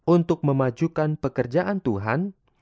untuk memajukan pekerjaan tuhan